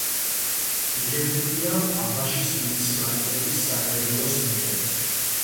მიღებულია აბაშის მუნიციპალიტეტის საკრებულოს მიერ.